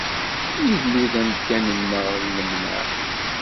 Illu, d amkan-nneɣ n lemneɛ.